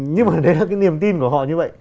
nhưng mà đấy là cái niềm tin của họ như vậy